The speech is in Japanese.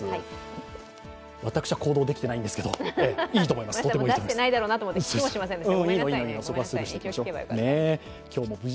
私は行動できてないんですけど、とってもいいと思います。